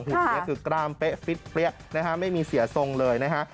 นี้คือกล้ามเป๊ะฟิตเปรี้ยนะฮะไม่มีเสียทรงเลยนะฮะ